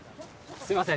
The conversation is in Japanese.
すいません